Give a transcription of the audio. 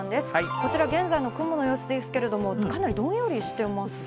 こちら、現在の雲の様子ですけれども、かなりどんよりしてますね。